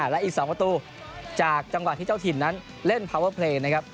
และอีก๒ประตูจากจังหวะที่เจ้าถิ่นนั้นเล่นพาวเวอร์เพลย์นะครับ